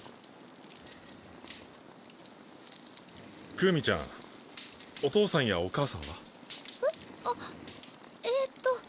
クウミちゃんお父さんやお母さんは？えっ？あっえっと